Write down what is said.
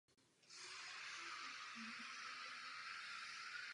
Všichni si uvědomujeme, jaký význam má rozvoj našeho vzájemného obchodu.